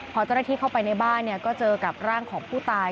พอเจ้าหน้าที่เข้าไปในบ้านก็เจอกับร่างของผู้ตาย